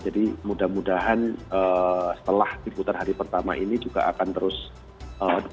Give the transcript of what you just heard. jadi mudah mudahan setelah diputar hari pertama ini juga akan terus mendapat apresiasi